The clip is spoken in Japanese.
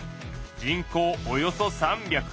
人口およそ３００。